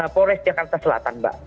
pores jakarta selatan mbak